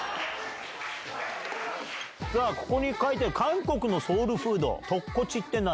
さあ、ここに書いてる、韓国のソウルフード、トッコチって何？